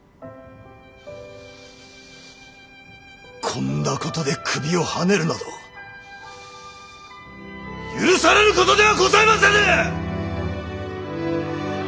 こんなことで首をはねるなど許されることではございませぬ！